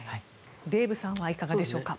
デーブさんはいかがでしょうか。